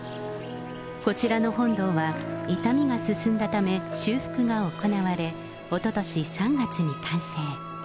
こちらの本堂は傷みが進んだため修復が行われ、おととし３月に完成。